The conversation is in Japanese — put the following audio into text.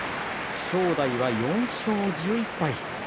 正代は４勝１１敗。